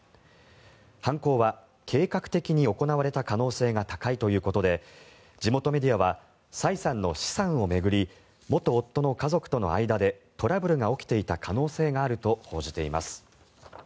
犯行は計画的に行われた可能性が高いということで地元メディアはサイさんの資産を巡り元夫の家族との間でトラブルが起きていた可能性があると報じています。